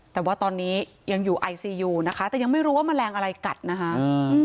แต่ว่าตอนนี้ยังอยู่ไอซียูนะคะแต่ยังไม่รู้ว่าแมลงอะไรกัดนะคะ